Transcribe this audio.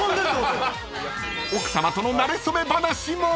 ［奥さまとのなれ初め話も］